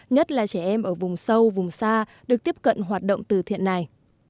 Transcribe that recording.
nhất là trẻ em ở vùng sâu vùng xa được tiếp cận hoạt động từ thiện này